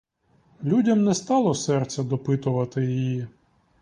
Людям не стало серця допитувати її.